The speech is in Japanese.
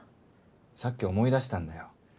さっき思い出したんだよ。